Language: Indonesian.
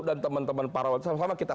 dan teman teman para wajah sama sama kita